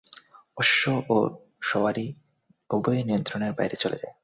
অশ্ব ও সওয়ারী উভয়ই নিয়ন্ত্রণের বাইরে চলে যায়।